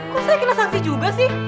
kok saya kena sanksi juga sih